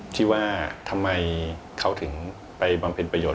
ที่ว่าทำไมเขาถึงไปบำเพ็ญประโยชน